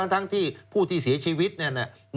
ทั้งที่ผู้ที่เสียชีวิตเนี่ยนะ